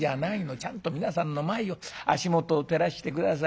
ちゃんと皆さんの前を足元を照らして下さい。